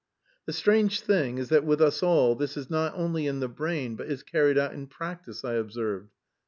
"The strange thing is that with us all this is not only in the brain but is carried out in practice," I observed.